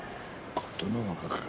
琴ノ若が。